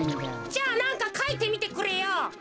じゃあなんかかいてみてくれよ。